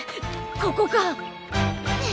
ここか！